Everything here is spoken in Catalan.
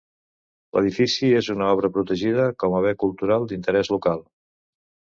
L'edifici és una obra protegida com a bé cultural d'interès local.